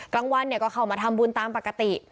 กลางวันก็เข้ามาทำบุญตามปกติ